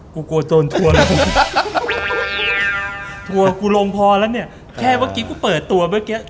กูกลัวโจรทัวร์เลย